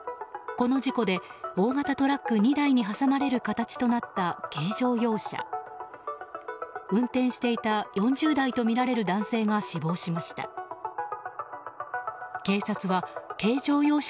この事故で大型トラック２台に挟まれる形となった軽乗用車。